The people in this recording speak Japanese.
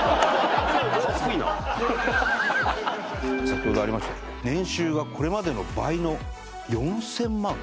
先ほどありましたけど年収がこれまでの倍の４０００万？